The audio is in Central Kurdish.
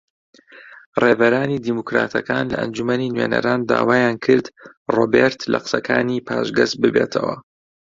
ڕێبەرانی دیموکراتەکان لە ئەنجومەنی نوێنەران داوایان کرد ڕۆبێرت لە قسەکانی پاشگەز ببێتەوە